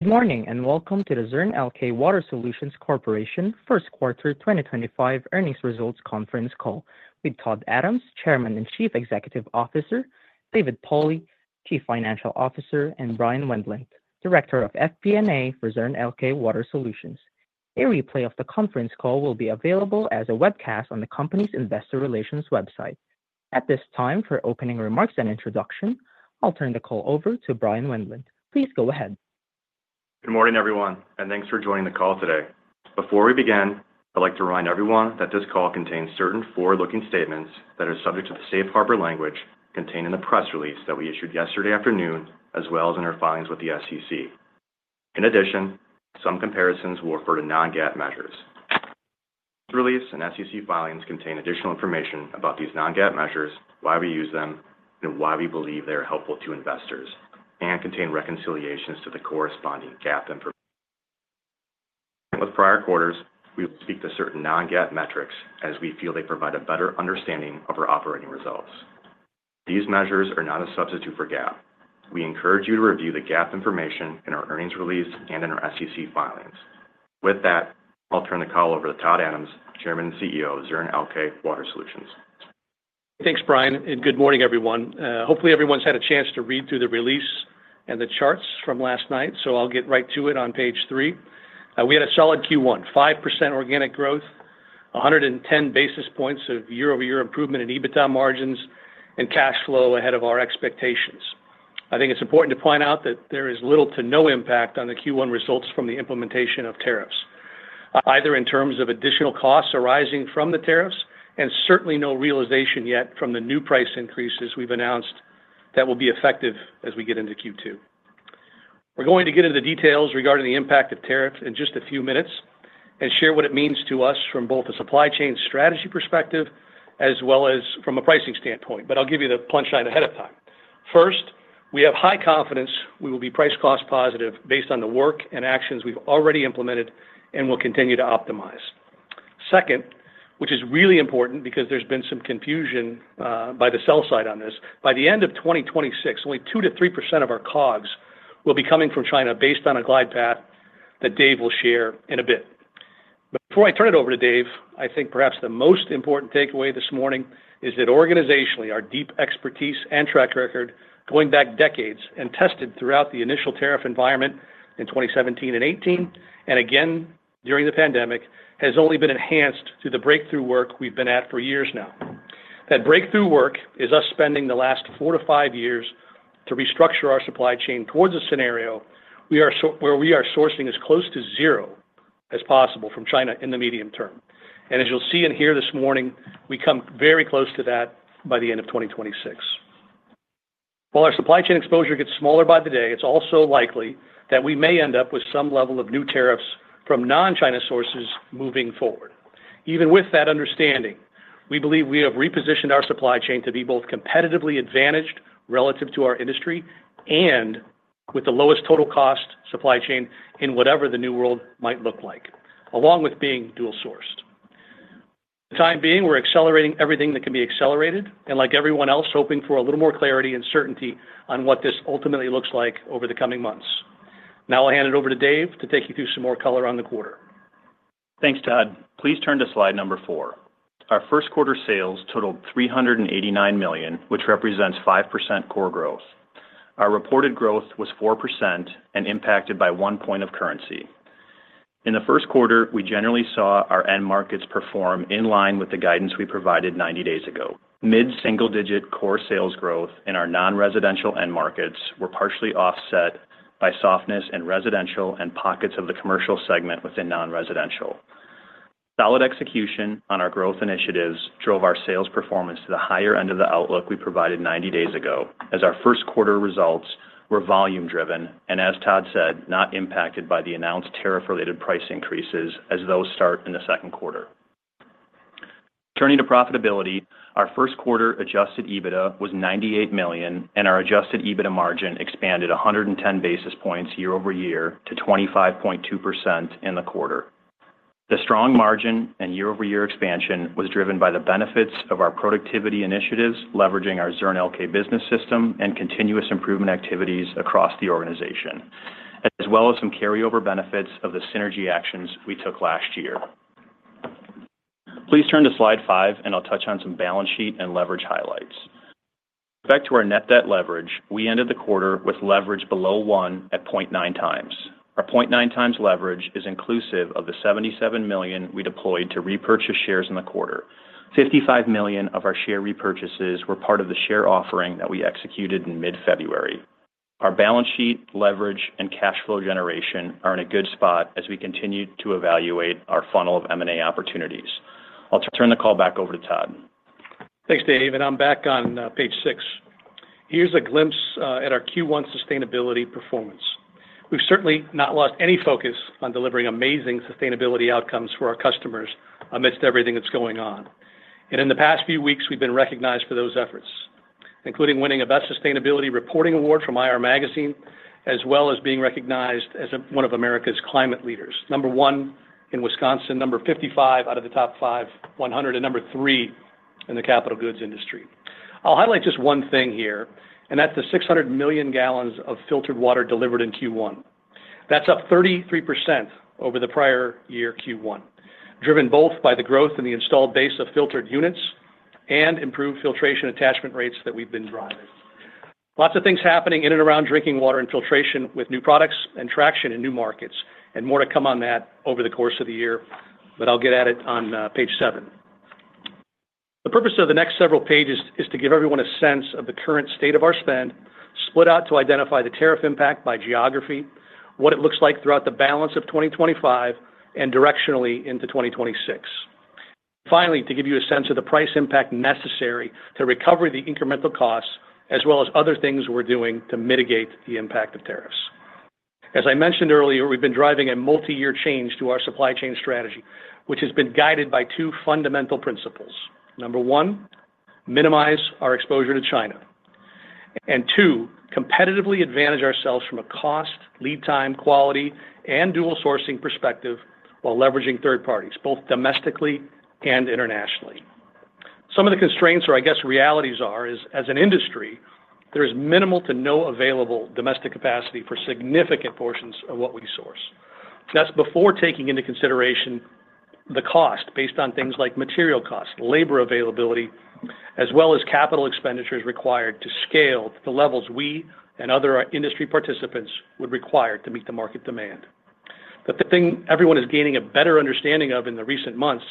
Good morning and welcome to the Zurn Elkay Water Solutions Corporation first quarter 2025 earnings results conference call with Todd Adams, Chairman and Chief Executive Officer; Dave Pauli, Chief Financial Officer; and Bryan Wendlandt, Director of FP&A for Zurn Elkay Water Solutions. A replay of the conference call will be available as a webcast on the company's investor relations website. At this time, for opening remarks and introduction, I'll turn the call over to Bryan Wendlandt. Please go ahead. Good morning, everyone, and thanks for joining the call today. Before we begin, I'd like to remind everyone that this call contains certain forward-looking statements that are subject to the safe harbor language contained in the press release that we issued yesterday afternoon, as well as in our filings with the SEC. In addition, some comparisons will refer to non-GAAP measures. This release and SEC filings contain additional information about these non-GAAP measures, why we use them, and why we believe they are helpful to investors, and contain reconciliations to the corresponding GAAP information. With prior quarters, we will speak to certain non-GAAP metrics as we feel they provide a better understanding of our operating results. These measures are not a substitute for GAAP. We encourage you to review the GAAP information in our earnings release and in our SEC filings. With that, I'll turn the call over to Todd Adams, Chairman and CEO of Zurn Elkay Water Solutions. Thanks, Bryan, and good morning, everyone. Hopefully, everyone's had a chance to read through the release and the charts from last night, so I'll get right to it on page three. We had a solid Q1, 5% organic growth, 110 basis points of year-over-year improvement in EBITDA margins, and cash flow ahead of our expectations. I think it's important to point out that there is little to no impact on the Q1 results from the implementation of tariffs, either in terms of additional costs arising from the tariffs, and certainly no realization yet from the new price increases we've announced that will be effective as we get into Q2. We're going to get into the details regarding the impact of tariffs in just a few minutes and share what it means to us from both a supply chain strategy perspective as well as from a pricing standpoint, but I'll give you the punchline ahead of time. First, we have high confidence we will be price cost positive based on the work and actions we've already implemented and will continue to optimize. Second, which is really important because there's been some confusion by the sell side on this, by the end of 2026, only 2%-3% of our COGS will be coming from China based on a glide path that Dave will share in a bit. Before I turn it over to Dave, I think perhaps the most important takeaway this morning is that organizationally, our deep expertise and track record, going back decades and tested throughout the initial tariff environment in 2017 and 2018, and again during the pandemic, has only been enhanced through the breakthrough work we've been at for years now. That breakthrough work is us spending the last four to five years to restructure our supply chain towards a scenario where we are sourcing as close to zero as possible from China in the medium term. As you'll see and hear this morning, we come very close to that by the end of 2026. While our supply chain exposure gets smaller by the day, it's also likely that we may end up with some level of new tariffs from non-China sources moving forward. Even with that understanding, we believe we have repositioned our supply chain to be both competitively advantaged relative to our industry and with the lowest total cost supply chain in whatever the new world might look like, along with being dual-sourced. For the time being, we're accelerating everything that can be accelerated and, like everyone else, hoping for a little more clarity and certainty on what this ultimately looks like over the coming months. Now I'll hand it over to Dave to take you through some more color on the quarter. Thanks, Todd. Please turn to slide number four. Our first quarter sales totaled $389 million, which represents 5% core growth. Our reported growth was 4% and impacted by one point of currency. In the first quarter, we generally saw our end markets perform in line with the guidance we provided 90 days ago. Mid-single-digit core sales growth in our non-residential end markets were partially offset by softness in residential and pockets of the commercial segment within non-residential. Solid execution on our growth initiatives drove our sales performance to the higher end of the outlook we provided 90 days ago, as our first quarter results were volume-driven and, as Todd said, not impacted by the announced tariff-related price increases, as those start in the second quarter. Turning to profitability, our first quarter adjusted EBITDA was $98 million, and our adjusted EBITDA margin expanded 110 basis points year-over-year to 25.2% in the quarter. The strong margin and year-over-year expansion was driven by the benefits of our productivity initiatives, leveraging our Zurn Elkay Business System and continuous improvement activities across the organization, as well as some carryover benefits of the synergy actions we took last year. Please turn to slide five, and I'll touch on some balance sheet and leverage highlights. Back to our net debt leverage, we ended the quarter with leverage below one at 0.9x. Our 0.9x leverage is inclusive of the $77 million we deployed to repurchase shares in the quarter. $55 million of our share repurchases were part of the share offering that we executed in mid-February. Our balance sheet, leverage, and cash flow generation are in a good spot as we continue to evaluate our funnel of M&A opportunities. I'll turn the call back over to Todd. Thanks, Dave, and I'm back on page six. Here's a glimpse at our Q1 sustainability performance. We've certainly not lost any focus on delivering amazing sustainability outcomes for our customers amidst everything that's going on. In the past few weeks, we've been recognized for those efforts, including winning a Best Sustainability Reporting Award from IR Magazine, as well as being recognized as one of America's Climate Leaders, number one in Wisconsin, number 55 out of the top 500, and number three in the capital goods industry. I'll highlight just one thing here, and that's the 600 million gallons of filtered water delivered in Q1. That's up 33% over the prior year Q1, driven both by the growth in the installed base of filtered units and improved filtration attachment rates that we've been driving. Lots of things happening in and around drinking water and filtration with new products and traction in new markets, and more to come on that over the course of the year, but I'll get at it on page seven. The purpose of the next several pages is to give everyone a sense of the current state of our spend, split out to identify the tariff impact by geography, what it looks like throughout the balance of 2025, and directionally into 2026. Finally, to give you a sense of the price impact necessary to recover the incremental costs, as well as other things we're doing to mitigate the impact of tariffs. As I mentioned earlier, we've been driving a multi-year change to our supply chain strategy, which has been guided by two fundamental principles. Number one, minimize our exposure to China, and two, competitively advantage ourselves from a cost, lead time, quality, and dual-sourcing perspective while leveraging third parties, both domestically and internationally. Some of the constraints are, I guess, realities are, as an industry, there is minimal to no available domestic capacity for significant portions of what we source. That is before taking into consideration the cost based on things like material costs, labor availability, as well as capital expenditures required to scale to the levels we and other industry participants would require to meet the market demand. The thing everyone is gaining a better understanding of in the recent months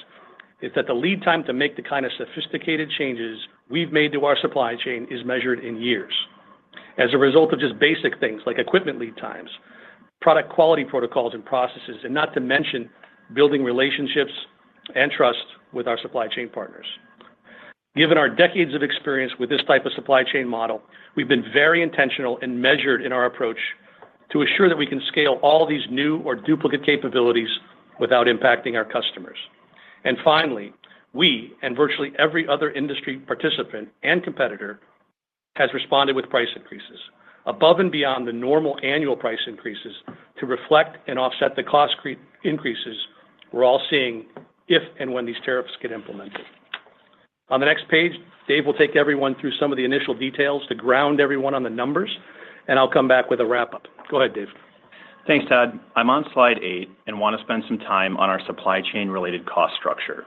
is that the lead time to make the kind of sophisticated changes we've made to our supply chain is measured in years, as a result of just basic things like equipment lead times, product quality protocols and processes, and not to mention building relationships and trust with our supply chain partners. Given our decades of experience with this type of supply chain model, we've been very intentional and measured in our approach to assure that we can scale all these new or duplicate capabilities without impacting our customers. Finally, we and virtually every other industry participant and competitor has responded with price increases above and beyond the normal annual price increases to reflect and offset the cost increases we're all seeing if and when these tariffs get implemented. On the next page, Dave will take everyone through some of the initial details to ground everyone on the numbers, and I'll come back with a wrap-up. Go ahead, Dave. Thanks, Todd. I'm on slide eight and want to spend some time on our supply chain-related cost structure.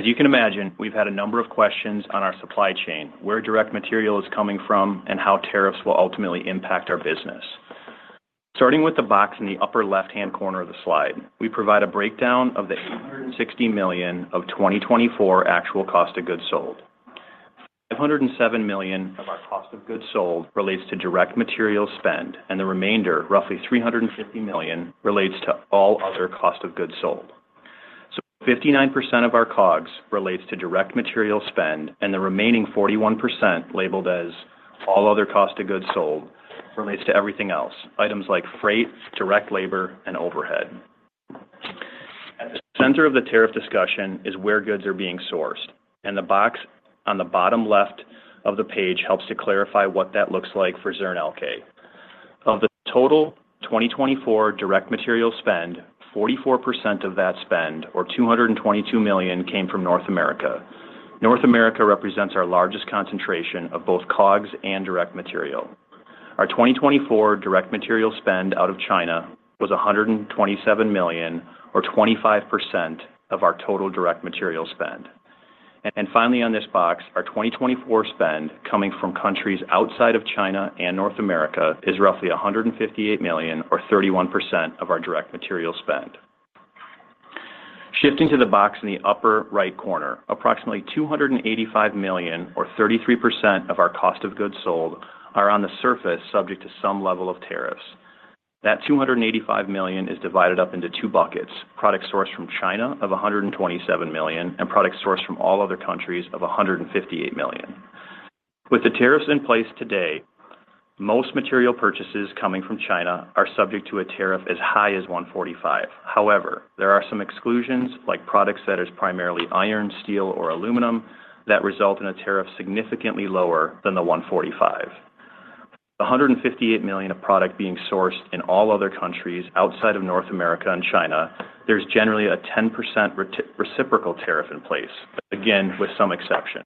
As you can imagine, we've had a number of questions on our supply chain, where direct material is coming from, and how tariffs will ultimately impact our business. Starting with the box in the upper left-hand corner of the slide, we provide a breakdown of the $860 million of 2024 actual cost of goods sold. $507 million of our cost of goods sold relates to direct material spend, and the remainder, roughly $350 million, relates to all other cost of goods sold. 59% of our COGS relates to direct material spend, and the remaining 41%, labeled as all other cost of goods sold, relates to everything else, items like freight, direct labor, and overhead. At the center of the tariff discussion is where goods are being sourced, and the box on the bottom left of the page helps to clarify what that looks like for Zurn Elkay. Of the total 2024 direct material spend, 44% of that spend, or $222 million, came from North America. North America represents our largest concentration of both COGS and direct material. Our 2024 direct material spend out of China was $127 million, or 25% of our total direct material spend. Finally, on this box, our 2024 spend coming from countries outside of China and North America is roughly $158 million, or 31% of our direct material spend. Shifting to the box in the upper right corner, approximately $285 million, or 33% of our cost of goods sold, are on the surface subject to some level of tariffs. That $285 million is divided up into two buckets: product sourced from China of $127 million and product sourced from all other countries of $158 million. With the tariffs in place today, most material purchases coming from China are subject to a tariff as high as 145%. However, there are some exclusions, like products that are primarily iron, steel, or aluminum, that result in a tariff significantly lower than the 145. With $158 million of product being sourced in all other countries outside of North America and China, there's generally a 10% reciprocal tariff in place, again with some exception.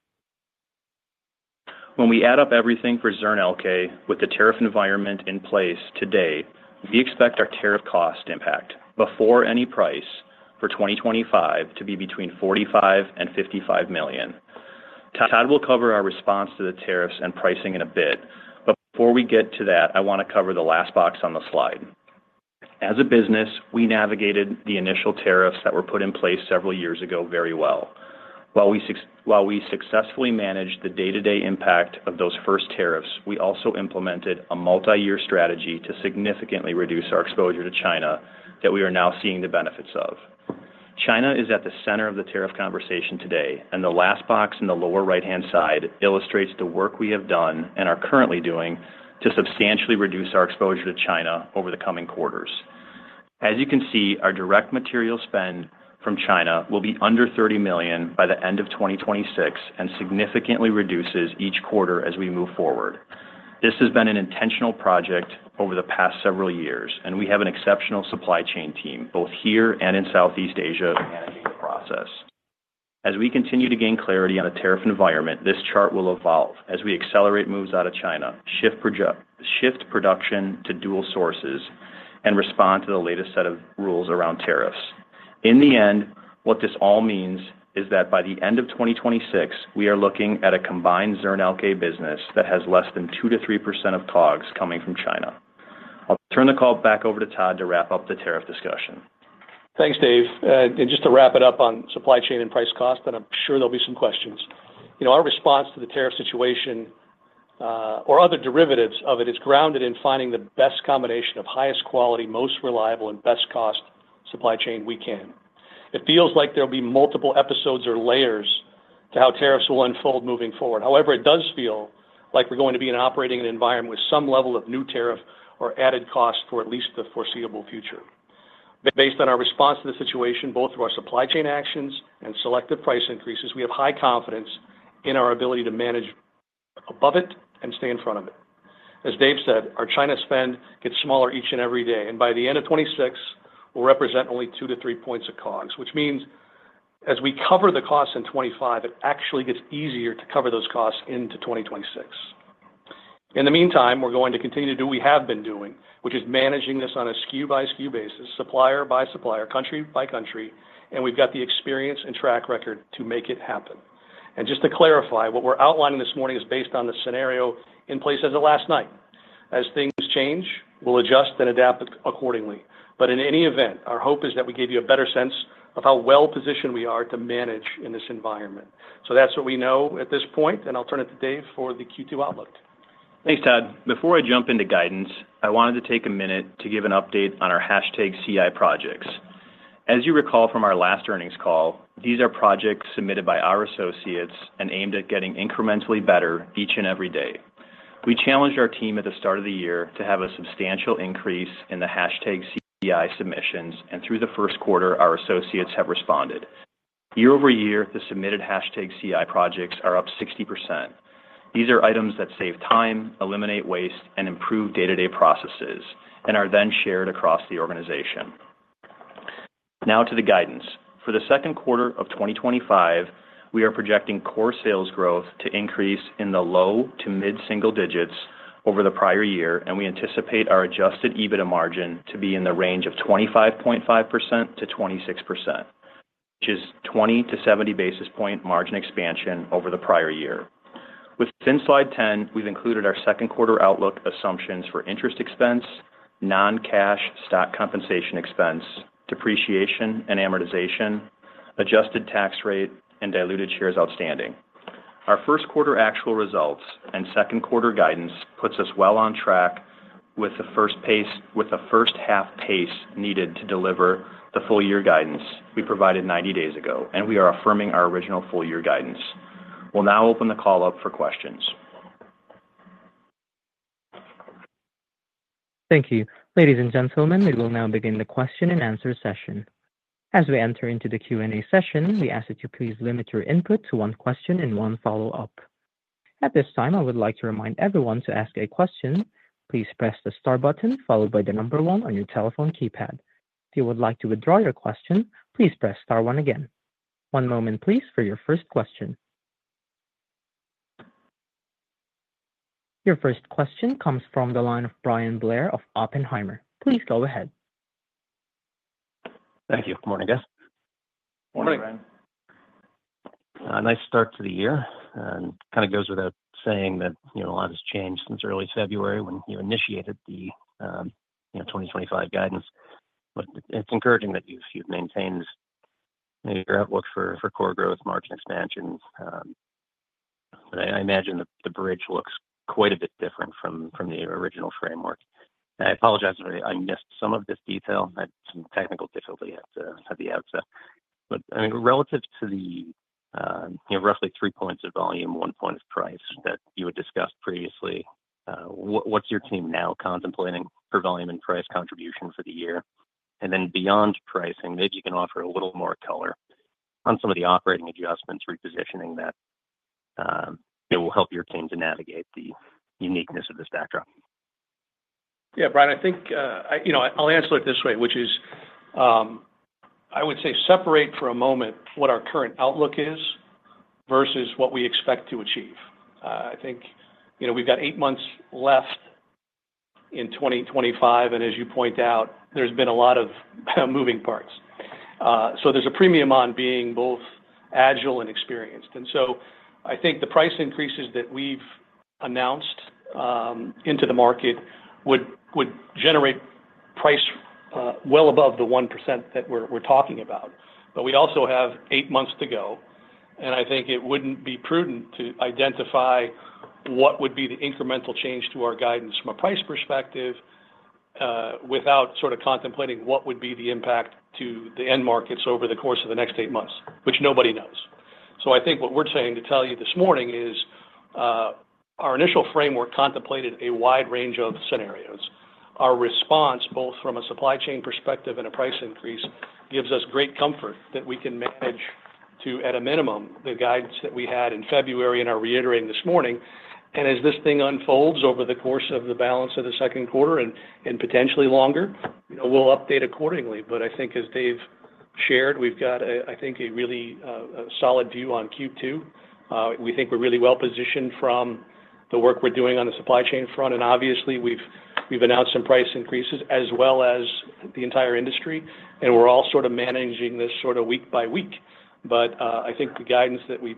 When we add up everything for Zurn Elkay with the tariff environment in place today, we expect our tariff cost impact before any price for 2025 to be between $45 million-$55 million. Todd will cover our response to the tariffs and pricing in a bit, but before we get to that, I want to cover the last box on the slide. As a business, we navigated the initial tariffs that were put in place several years ago very well. While we successfully managed the day-to-day impact of those first tariffs, we also implemented a multi-year strategy to significantly reduce our exposure to China that we are now seeing the benefits of. China is at the center of the tariff conversation today, and the last box in the lower right-hand side illustrates the work we have done and are currently doing to substantially reduce our exposure to China over the coming quarters. As you can see, our direct material spend from China will be under $30 million by the end of 2026 and significantly reduces each quarter as we move forward. This has been an intentional project over the past several years, and we have an exceptional supply chain team both here and in Southeast Asia managing the process. As we continue to gain clarity on the tariff environment, this chart will evolve as we accelerate moves out of China, shift production to dual sources, and respond to the latest set of rules around tariffs. In the end, what this all means is that by the end of 2026, we are looking at a combined Zurn Elkay business that has less than 2%-3% of COGS coming from China. I'll turn the call back over to Todd to wrap up the tariff discussion. Thanks, Dave. Just to wrap it up on supply chain and price cost, and I'm sure there'll be some questions. Our response to the tariff situation or other derivatives of it is grounded in finding the best combination of highest quality, most reliable, and best cost supply chain we can. It feels like there'll be multiple episodes or layers to how tariffs will unfold moving forward. However, it does feel like we're going to be operating in an environment with some level of new tariff or added cost for at least the foreseeable future. Based on our response to the situation, both through our supply chain actions and selective price increases, we have high confidence in our ability to manage above it and stay in front of it. As Dave said, our China spend gets smaller each and every day, and by the end of 2026, we will represent only 2%-3% of COGS, which means as we cover the costs in 2025, it actually gets easier to cover those costs into 2026. In the meantime, we are going to continue to do what we have been doing, which is managing this on a SKU-by-SKU basis, supplier-by-supplier, country-by-country, and we have got the experience and track record to make it happen. Just to clarify, what we are outlining this morning is based on the scenario in place as of last night. As things change, we will adjust and adapt accordingly. In any event, our hope is that we gave you a better sense of how well-positioned we are to manage in this environment. That's what we know at this point, and I'll turn it to Dave for the Q2 outlook. Thanks, Todd. Before I jump into guidance, I wanted to take a minute to give an update on our CI projects. As you recall from our last earnings call, these are projects submitted by our associates and aimed at getting incrementally better each and every day. We challenged our team at the start of the year to have a substantial increase in the CI submissions, and through the first quarter, our associates have responded. Year-over-year, the submitted CI projects are up 60%. These are items that save time, eliminate waste, and improve day-to-day processes, and are then shared across the organization. Now to the guidance. For the second quarter of 2025, we are projecting core sales growth to increase in the low to mid-single digits over the prior year, and we anticipate our adjusted EBITDA margin to be in the range of 25.5%-26%, which is 20-70 basis points margin expansion over the prior year. Within slide 10, we've included our second quarter outlook assumptions for interest expense, non-cash stock compensation expense, depreciation and amortization, adjusted tax rate, and diluted shares outstanding. Our first quarter actual results and second quarter guidance puts us well on track with the first half pace needed to deliver the full-year guidance we provided 90 days ago, and we are affirming our original full-year guidance. We'll now open the call up for questions. Thank you. Ladies and gentlemen, we will now begin the question and answer session. As we enter into the Q&A session, we ask that you please limit your input to one question and one follow-up. At this time, I would like to remind everyone to ask a question. Please press the star button followed by the number one on your telephone keypad. If you would like to withdraw your question, please press star one again. One moment, please, for your first question. Your first question comes from the line of Bryan Blair of Oppenheimer. Please go ahead. Thank you. Good morning, guys. Morning, Bryan. Nice start to the year. It kind of goes without saying that a lot has changed since early February when you initiated the 2025 guidance. It's encouraging that you've maintained your outlook for core growth, margin expansion. I imagine the bridge looks quite a bit different from the original framework. I apologize if I missed some of this detail. I had some technical difficulty at the outset. Relative to the roughly three points of volume, one point of price that you had discussed previously, what's your team now contemplating for volume and price contribution for the year? Beyond pricing, maybe you can offer a little more color on some of the operating adjustments, repositioning that will help your team to navigate the uniqueness of this backdrop. Yeah, Bryan, I think I'll answer it this way, which is I would say separate for a moment what our current outlook is versus what we expect to achieve. I think we've got eight months left in 2025, and as you point out, there's been a lot of moving parts. There is a premium on being both agile and experienced. I think the price increases that we've announced into the market would generate price well above the 1% that we're talking about. We also have eight months to go, and I think it wouldn't be prudent to identify what would be the incremental change to our guidance from a price perspective without sort of contemplating what would be the impact to the end markets over the course of the next eight months, which nobody knows. I think what we're trying to tell you this morning is our initial framework contemplated a wide range of scenarios. Our response, both from a supply chain perspective and a price increase, gives us great comfort that we can manage to, at a minimum, the guidance that we had in February and are reiterating this morning. As this thing unfolds over the course of the balance of the second quarter and potentially longer, we'll update accordingly. I think as Dave shared, we've got, I think, a really solid view on Q2. We think we're really well-positioned from the work we're doing on the supply chain front. Obviously, we've announced some price increases as well as the entire industry, and we're all sort of managing this sort of week by week. I think the guidance that we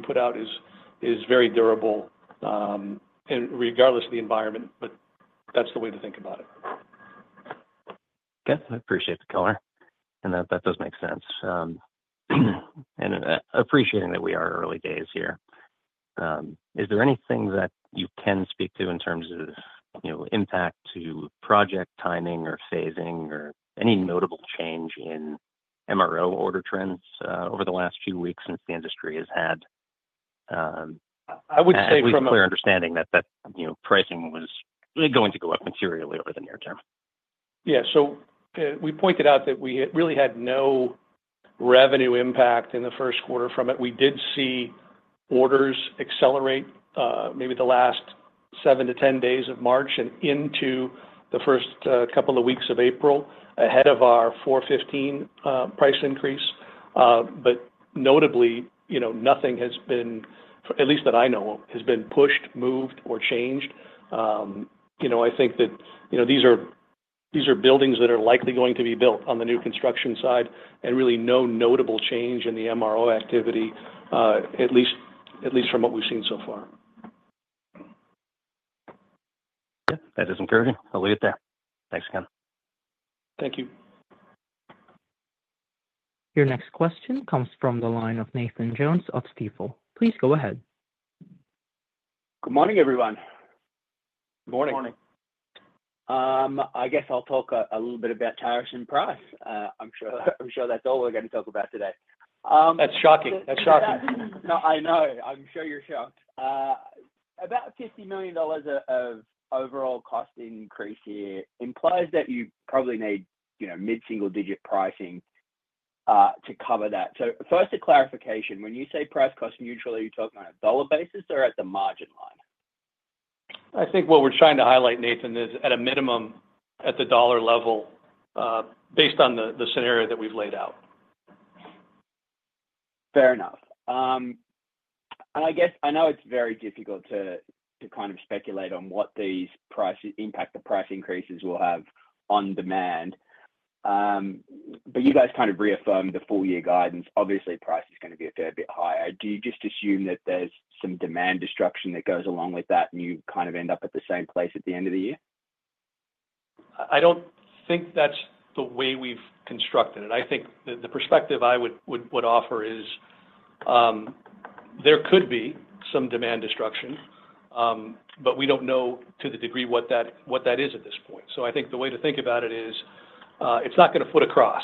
put out is very durable regardless of the environment, but that's the way to think about it. Okay. I appreciate the color, and that does make sense. Appreciating that we are early days here, is there anything that you can speak to in terms of impact to project timing or phasing or any notable change in MRO order trends over the last few weeks since the industry has had? I would say from. Clear understanding that pricing was going to go up materially over the near term. Yeah. We pointed out that we really had no revenue impact in the first quarter from it. We did see orders accelerate maybe the last 7 to 10 days of March and into the first couple of weeks of April ahead of our 4/15 price increase. Notably, nothing has been, at least that I know of, has been pushed, moved, or changed. I think that these are buildings that are likely going to be built on the new construction side and really no notable change in the MRO activity, at least from what we've seen so far. Yeah. That is encouraging. I'll leave it there. Thanks again. Thank you. Your next question comes from the line of Nathan Jones of Stifel. Please go ahead. Good morning, everyone. Morning. Morning. I guess I'll talk a little bit about tariffs and price. I'm sure that's all we're going to talk about today. That's shocking. That's shocking. No, I know. I'm sure you're shocked. About $50 million of overall cost increase here implies that you probably need mid-single-digit pricing to cover that. First, a clarification. When you say price cost neutral, are you talking on a dollar basis or at the margin line? I think what we're trying to highlight, Nathan, is at a minimum at the dollar level based on the scenario that we've laid out. Fair enough. I guess I know it's very difficult to kind of speculate on what these impact the price increases will have on demand. You guys kind of reaffirmed the full-year guidance. Obviously, price is going to be a fair bit higher. Do you just assume that there's some demand destruction that goes along with that, and you kind of end up at the same place at the end of the year? I don't think that's the way we've constructed it. I think the perspective I would offer is there could be some demand destruction, but we don't know to the degree what that is at this point. I think the way to think about it is it's not going to foot across.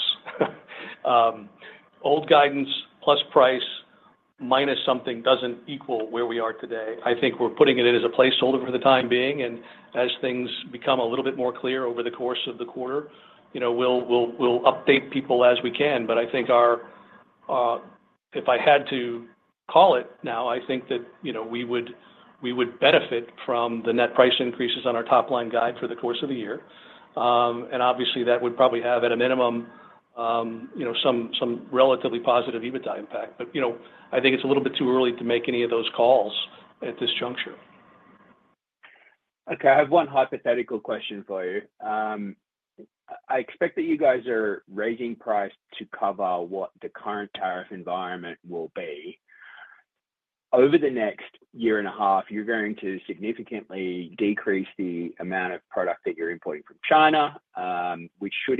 Old guidance plus price minus something doesn't equal where we are today. I think we're putting it in as a placeholder for the time being. As things become a little bit more clear over the course of the quarter, we'll update people as we can. If I had to call it now, I think that we would benefit from the net price increases on our top-line guide for the course of the year. Obviously, that would probably have, at a minimum, some relatively positive EBITDA impact. I think it's a little bit too early to make any of those calls at this juncture. Okay. I have one hypothetical question for you. I expect that you guys are raising price to cover what the current tariff environment will be. Over the next year and a half, you're going to significantly decrease the amount of product that you're importing from China, which should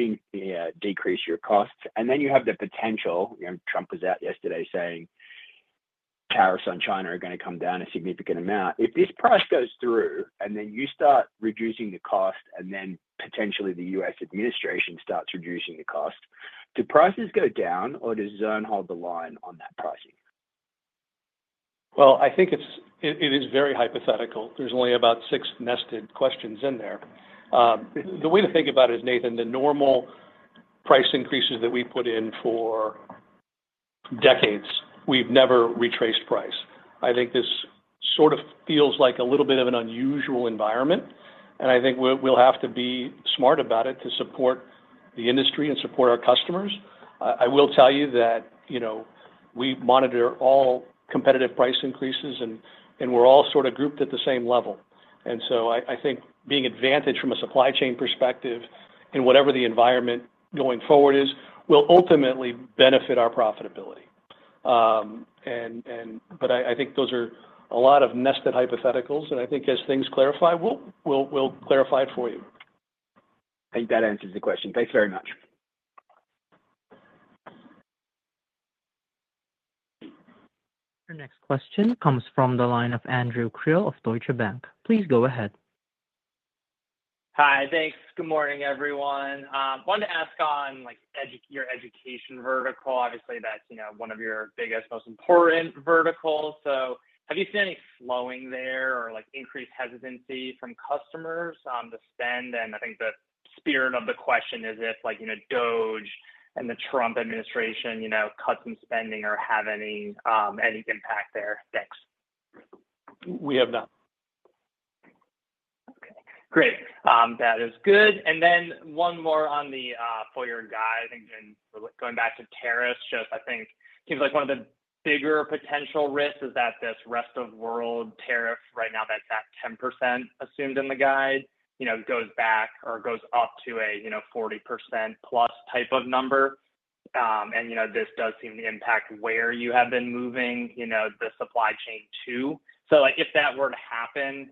decrease your costs. You have the potential—Trump was out yesterday saying tariffs on China are going to come down a significant amount. If this price goes through and then you start reducing the cost, and then potentially the U.S. administration starts reducing the cost, do prices go down or does Zurn hold the line on that pricing? I think it is very hypothetical. There's only about six nested questions in there. The way to think about it is, Nathan, the normal price increases that we put in for decades, we've never retraced price. I think this sort of feels like a little bit of an unusual environment, and I think we'll have to be smart about it to support the industry and support our customers. I will tell you that we monitor all competitive price increases, and we're all sort of grouped at the same level. I think being advantaged from a supply chain perspective in whatever the environment going forward is will ultimately benefit our profitability. I think those are a lot of nested hypotheticals, and I think as things clarify, we'll clarify it for you. I think that answers the question. Thanks very much. Our next question comes from the line of Andrew Krill of Deutsche Bank. Please go ahead. Hi, thanks. Good morning, everyone. I wanted to ask on your education vertical. Obviously, that's one of your biggest, most important verticals. Have you seen any slowing there or increased hesitancy from customers to spend? I think the spirit of the question is if DOE and the Trump administration cut some spending or have any impact there. Thanks. We have not. Okay. Great. That is good. Then one more for your guide. I think going back to tariffs, I think it seems like one of the bigger potential risks is that this rest-of-world tariff right now that's at 10% assumed in the guide goes back or goes up to a 40% plus type of number. This does seem to impact where you have been moving the supply chain too. If that were to happen,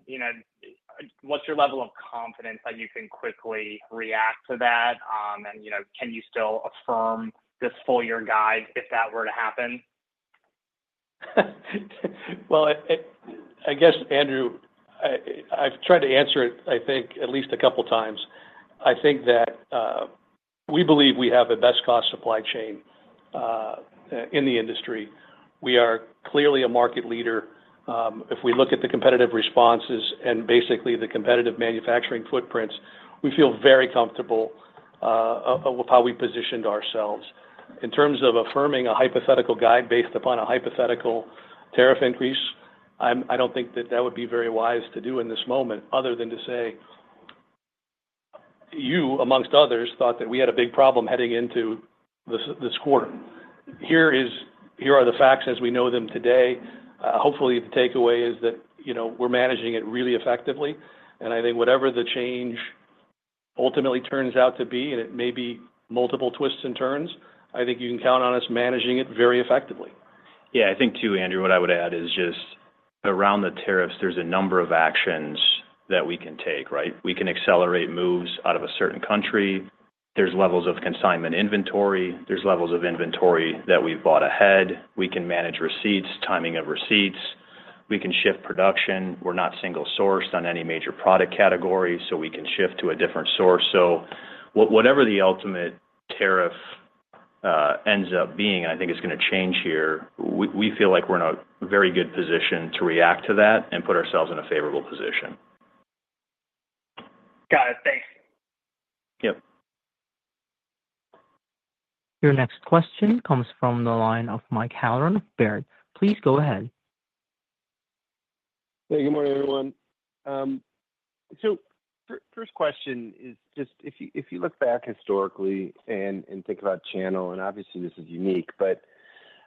what's your level of confidence that you can quickly react to that? Can you still affirm this full-year guide if that were to happen? I guess, Andrew, I've tried to answer it, I think, at least a couple of times. I think that we believe we have a best-cost supply chain in the industry. We are clearly a market leader. If we look at the competitive responses and basically the competitive manufacturing footprints, we feel very comfortable with how we positioned ourselves. In terms of affirming a hypothetical guide based upon a hypothetical tariff increase, I do not think that that would be very wise to do in this moment other than to say you, amongst others, thought that we had a big problem heading into this quarter. Here are the facts as we know them today. Hopefully, the takeaway is that we're managing it really effectively. I think whatever the change ultimately turns out to be, and it may be multiple twists and turns, I think you can count on us managing it very effectively. Yeah. I think too, Andrew, what I would add is just around the tariffs, there's a number of actions that we can take, right? We can accelerate moves out of a certain country. There's levels of consignment inventory. There's levels of inventory that we've bought ahead. We can manage receipts, timing of receipts. We can shift production. We're not single-sourced on any major product category, so we can shift to a different source. Whatever the ultimate tariff ends up being, and I think it's going to change here, we feel like we're in a very good position to react to that and put ourselves in a favorable position. Got it. Thanks. Yep. Your next question comes from the line of Mike Halloran, Baird. Please go ahead. Hey, good morning, everyone. First question is just if you look back historically and think about channel, and obviously, this is unique,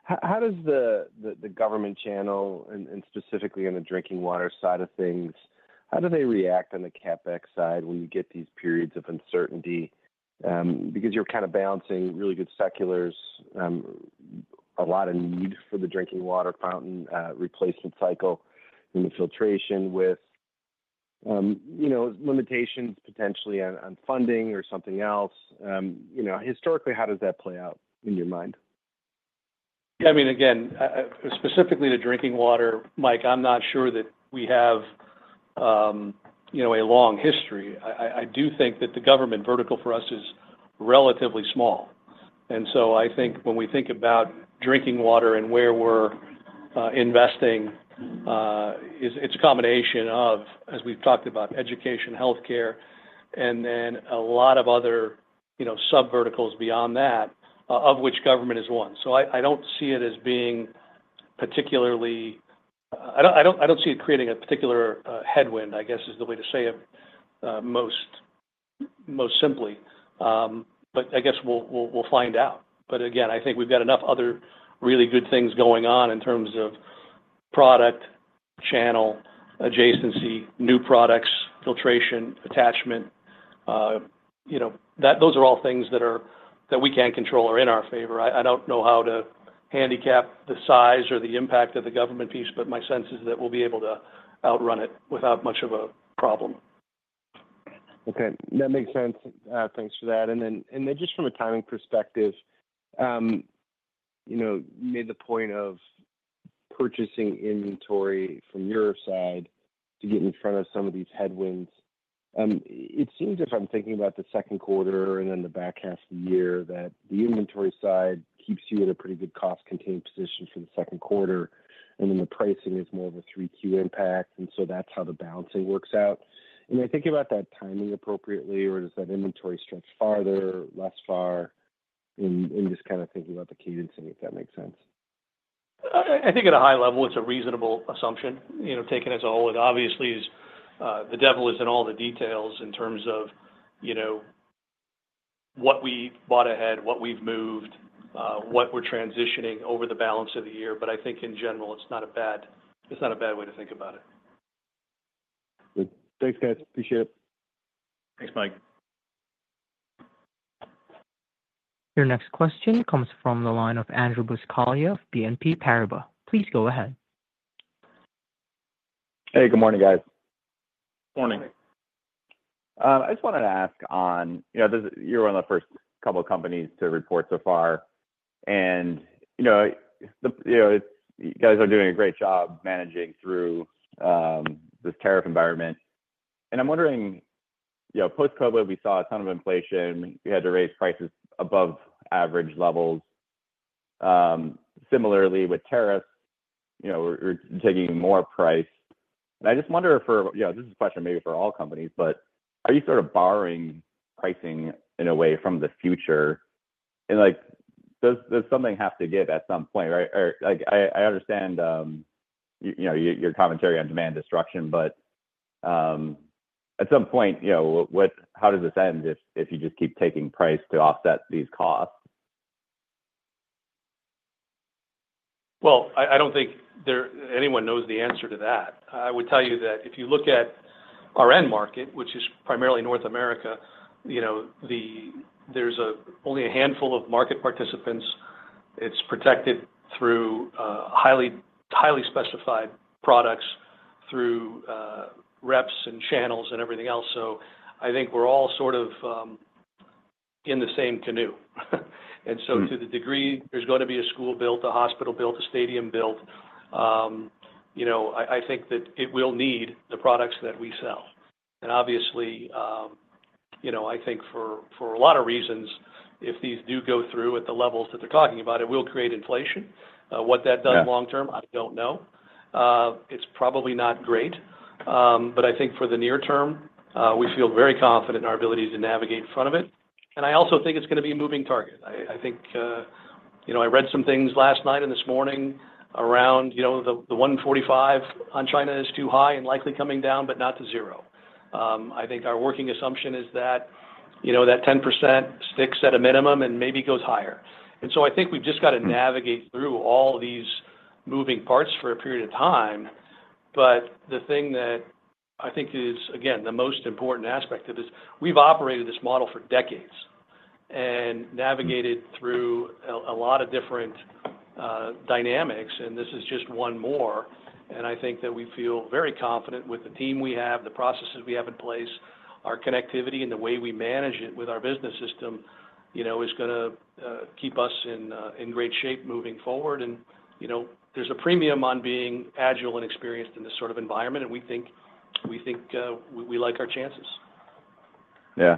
but how does the government channel, and specifically on the drinking water side of things, how do they react on the CapEx side when you get these periods of uncertainty? Because you're kind of balancing really good seculars, a lot of need for the drinking water fountain replacement cycle and the filtration with limitations potentially on funding or something else. Historically, how does that play out in your mind? Yeah. I mean, again, specifically to drinking water, Mike, I'm not sure that we have a long history. I do think that the government vertical for us is relatively small. I think when we think about drinking water and where we're investing, it's a combination of, as we've talked about, education, healthcare, and then a lot of other sub-verticals beyond that, of which government is one. I don't see it as being particularly—I don't see it creating a particular headwind, I guess, is the way to say it most simply. I guess we'll find out. Again, I think we've got enough other really good things going on in terms of product, channel, adjacency, new products, filtration, attachment. Those are all things that we can control or in our favor. I don't know how to handicap the size or the impact of the government piece, but my sense is that we'll be able to outrun it without much of a problem. Okay. That makes sense. Thanks for that. Just from a timing perspective, you made the point of purchasing inventory from your side to get in front of some of these headwinds. It seems if I'm thinking about the second quarter and then the back half of the year that the inventory side keeps you at a pretty good cost-contained position for the second quarter, and the pricing is more of a 3Q impact. That is how the balancing works out. You're thinking about that timing appropriately, or does that inventory stretch farther, less far, and just kind of thinking about the cadencing, if that makes sense? I think at a high level, it's a reasonable assumption taken as all. Obviously, the devil is in all the details in terms of what we bought ahead, what we've moved, what we're transitioning over the balance of the year. I think in general, it's not a bad way to think about it. Good. Thanks, guys. Appreciate it. Thanks, Mike. Your next question comes from the line of Andrew Buscaglia of BNP Paribas. Please go ahead. Hey, good morning, guys. Morning. Morning. I just wanted to ask on you're one of the first couple of companies to report so far, and you guys are doing a great job managing through this tariff environment. I am wondering, post-COVID, we saw a ton of inflation. We had to raise prices above average levels. Similarly, with tariffs, we're taking more price. I just wonder if this is a question maybe for all companies, but are you sort of borrowing pricing in a way from the future? Does something have to give at some point? I understand your commentary on demand destruction, but at some point, how does this end if you just keep taking price to offset these costs? I do not think anyone knows the answer to that. I would tell you that if you look at our end market, which is primarily North America, there are only a handful of market participants. It is protected through highly specified products through reps and channels and everything else. I think we are all sort of in the same canoe. To the degree there is going to be a school built, a hospital built, a stadium built, I think that it will need the products that we sell. Obviously, I think for a lot of reasons, if these do go through at the levels that they are talking about, it will create inflation. What that does long-term, I do not know. It is probably not great. I think for the near term, we feel very confident in our ability to navigate in front of it. I also think it's going to be a moving target. I think I read some things last night and this morning around the 145 on China is too high and likely coming down, but not to zero. I think our working assumption is that that 10% sticks at a minimum and maybe goes higher. I think we've just got to navigate through all these moving parts for a period of time. The thing that I think is, again, the most important aspect of this, we've operated this model for decades and navigated through a lot of different dynamics, and this is just one more. I think that we feel very confident with the team we have, the processes we have in place, our connectivity, and the way we manage it with our business system is going to keep us in great shape moving forward. There is a premium on being agile and experienced in this sort of environment, and we think we like our chances. Yeah.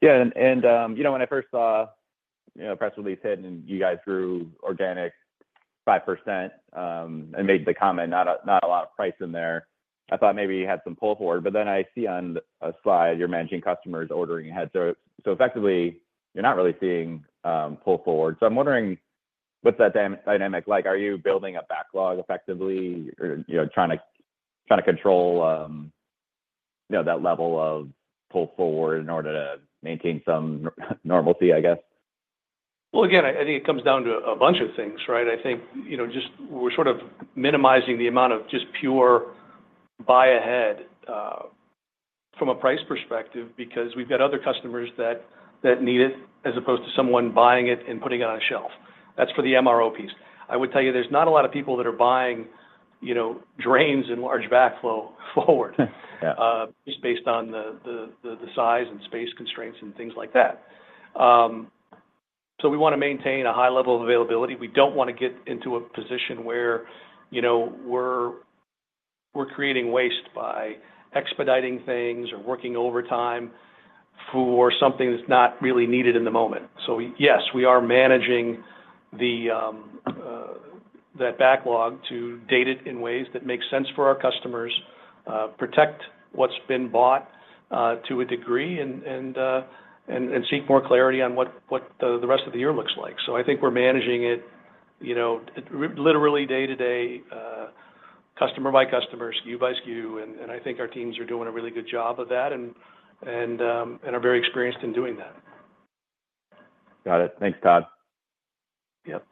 Yeah. When I first saw press release hitting, and you guys grew organic 5% and made the comment, "Not a lot of price in there," I thought maybe you had some pull forward. I see on a slide you're managing customers ordering ahead. Effectively, you're not really seeing pull forward. I'm wondering what's that dynamic like? Are you building a backlog effectively or trying to control that level of pull forward in order to maintain some normalcy, I guess? I think it comes down to a bunch of things, right? I think just we're sort of minimizing the amount of just pure buy ahead from a price perspective because we've got other customers that need it as opposed to someone buying it and putting it on a shelf. That's for the MRO piece. I would tell you there's not a lot of people that are buying drains and large backflow forward just based on the size and space constraints and things like that. We want to maintain a high level of availability. We don't want to get into a position where we're creating waste by expediting things or working overtime for something that's not really needed in the moment. Yes, we are managing that backlog to date it in ways that make sense for our customers, protect what's been bought to a degree, and seek more clarity on what the rest of the year looks like. I think we're managing it literally day-to-day, customer by customer, SKU-by-SKU. I think our teams are doing a really good job of that and are very experienced in doing that. Got it. Thanks, Todd. Yep.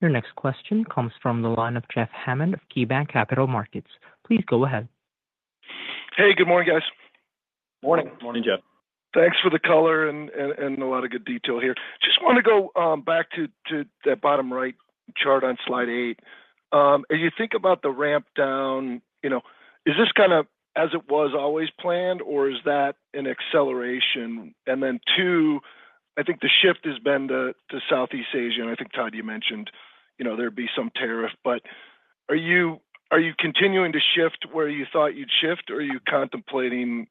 Your next question comes from the line of Jeff Hammond of KeyBanc Capital Markets. Please go ahead. Hey, good morning, guys. Morning. Morning, Jeff. Thanks for the color and a lot of good detail here. Just want to go back to that bottom right chart on slide eight. As you think about the ramp down, is this kind of as it was always planned, or is that an acceleration? Two, I think the shift has been to Southeast Asia. I think, Todd, you mentioned there'd be some tariff. Are you continuing to shift where you thought you'd shift, or are you contemplating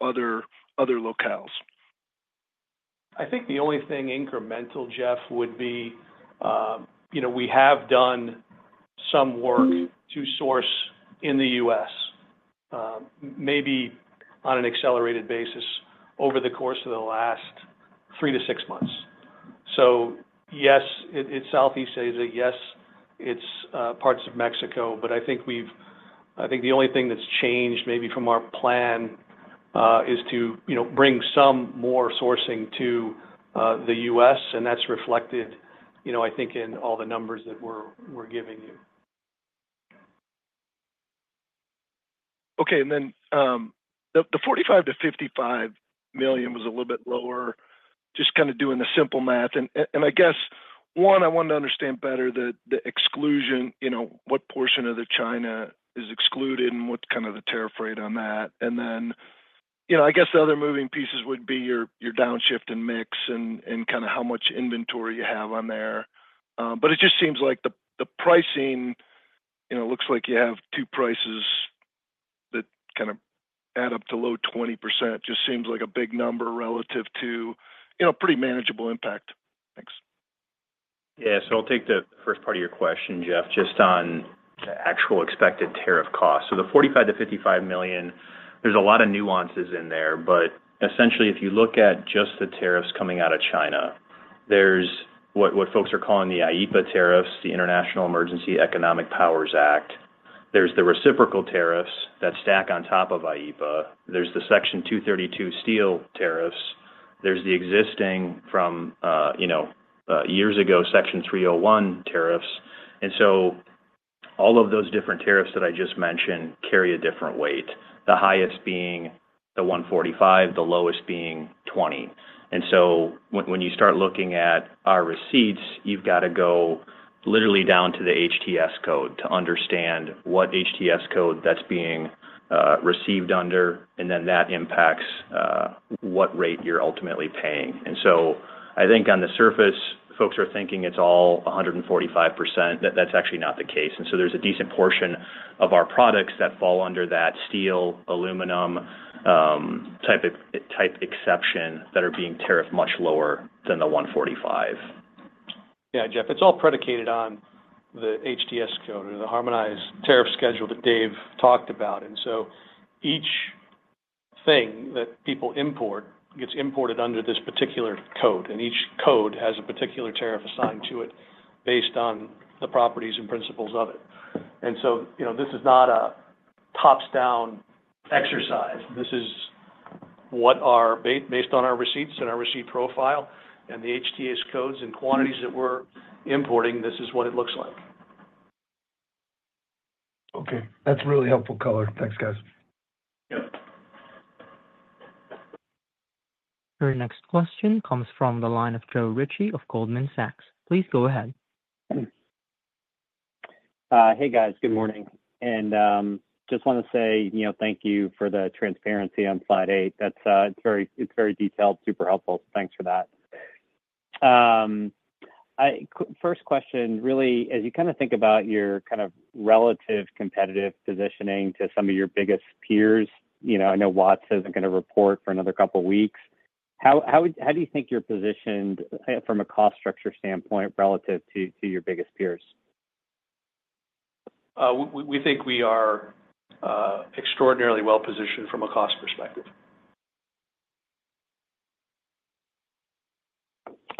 other locales? I think the only thing incremental, Jeff, would be we have done some work to source in the U.S., maybe on an accelerated basis over the course of the last three to six months. Yes, it's Southeast Asia. Yes, it's parts of Mexico. I think the only thing that's changed maybe from our plan is to bring some more sourcing to the U.S., and that's reflected, I think, in all the numbers that we're giving you. Okay. The $45 million-$55 million was a little bit lower, just kind of doing the simple math. I guess, one, I want to understand better the exclusion, what portion of the China is excluded and what's kind of the tariff rate on that. I guess the other moving pieces would be your downshift and mix and kind of how much inventory you have on there. It just seems like the pricing looks like you have two prices that kind of add up to low 20%. It just seems like a big number relative to pretty manageable impact. Thanks. Yeah. I'll take the first part of your question, Jeff, just on the actual expected tariff cost. The $45 million-$55 million, there's a lot of nuances in there. Essentially, if you look at just the tariffs coming out of China, there's what folks are calling the IEEPA tariffs, the International Emergency Economic Powers Act. There's the reciprocal tariffs that stack on top of IEEPA. There's the Section 232 steel tariffs. There's the existing from years ago, Section 301 tariffs. All of those different tariffs that I just mentioned carry a different weight, the highest being the 145, the lowest being 20. When you start looking at our receipts, you've got to go literally down to the HTS code to understand what HTS code that's being received under, and then that impacts what rate you're ultimately paying. I think on the surface, folks are thinking it's all 145%. That's actually not the case. There is a decent portion of our products that fall under that steel, aluminum type exception that are being tariffed much lower than the 145%. Yeah, Jeff, it's all predicated on the HTS code or the harmonized tariff schedule that Dave talked about. Each thing that people import gets imported under this particular code, and each code has a particular tariff assigned to it based on the properties and principles of it. This is not a tops-down exercise. This is based on our receipts and our receipt profile and the HTS codes and quantities that we're importing, this is what it looks like. Okay. That's really helpful color. Thanks, guys. Yep. Your next question comes from the line of Joe Ritchie of Goldman Sachs. Please go ahead. Hey, guys. Good morning. I just want to say thank you for the transparency on slide eight. It's very detailed, super helpful. Thank you for that. First question, really, as you kind of think about your kind of relative competitive positioning to some of your biggest peers, I know Watts isn't going to report for another couple of weeks. How do you think you're positioned from a cost structure standpoint relative to your biggest peers? We think we are extraordinarily well-positioned from a cost perspective.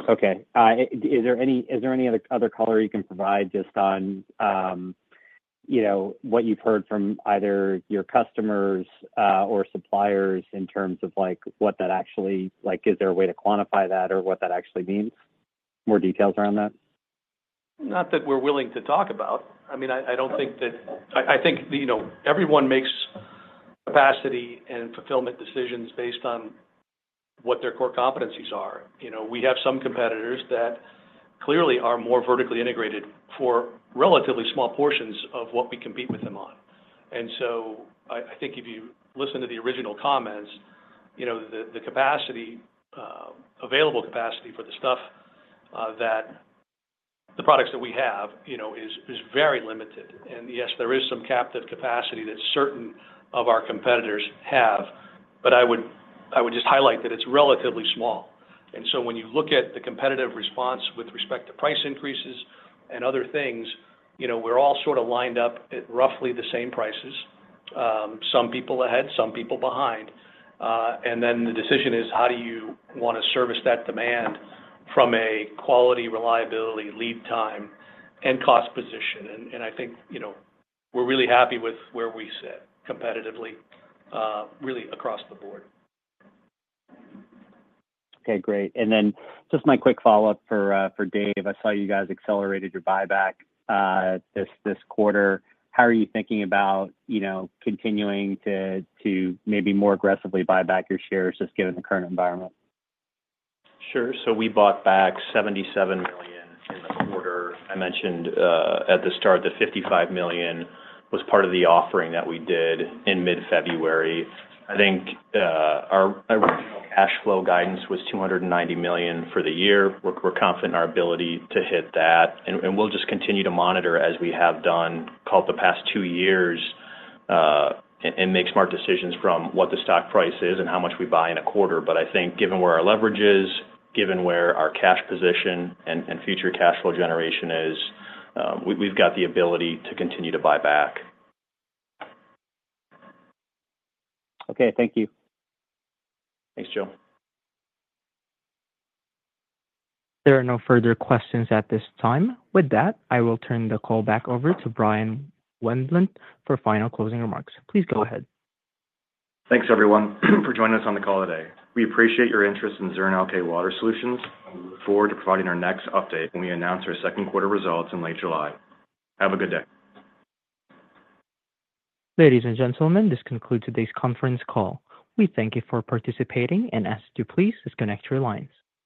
Okay. Is there any other color you can provide just on what you've heard from either your customers or suppliers in terms of what that actually is? Is there a way to quantify that or what that actually means? More details around that? Not that we're willing to talk about. I mean, I don't think that I think everyone makes capacity and fulfillment decisions based on what their core competencies are. We have some competitors that clearly are more vertically integrated for relatively small portions of what we compete with them on. I think if you listen to the original comments, the available capacity for the stuff that the products that we have is very limited. Yes, there is some captive capacity that certain of our competitors have, but I would just highlight that it's relatively small. When you look at the competitive response with respect to price increases and other things, we're all sort of lined up at roughly the same prices, some people ahead, some people behind. The decision is how do you want to service that demand from a quality, reliability, lead time, and cost position. I think we're really happy with where we sit competitively, really across the board. Okay. Great. Just my quick follow-up for Dave. I saw you guys accelerated your buyback this quarter. How are you thinking about continuing to maybe more aggressively buy back your shares just given the current environment? Sure. We bought back $77 million in the quarter. I mentioned at the start that $55 million was part of the offering that we did in mid-February. I think our original cash flow guidance was $290 million for the year. We're confident in our ability to hit that. We will just continue to monitor as we have done the past two years and make smart decisions from what the stock price is and how much we buy in a quarter. I think given where our leverage is, given where our cash position and future cash flow generation is, we've got the ability to continue to buy back. Okay. Thank you. Thanks, Joe. There are no further questions at this time. With that, I will turn the call back over to Bryan Wendlandt for final closing remarks. Please go ahead. Thanks, everyone, for joining us on the call today. We appreciate your interest in Zurn Elkay Water Solutions. We look forward to providing our next update when we announce our second quarter results in late July. Have a good day. Ladies and gentlemen, this concludes today's conference call. We thank you for participating, and ask to please disconnect your lines.